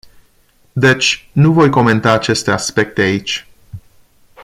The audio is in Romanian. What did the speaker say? Deci, nu voi comenta aceste aspecte aici.